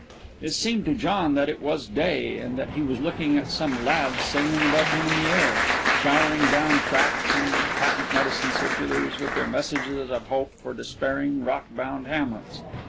It seemed to John that it was day, and that he was looking at some lads sailing above him in the air, showering down tracts and patent medicine circulars, with their messages of hope for despairing, rock bound hamlets.